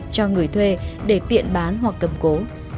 cho người thuê để tiện bán hoặc cầm cố